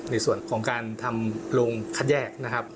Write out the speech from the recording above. ในส่วนของการทำโรงคัดแยกนะครับ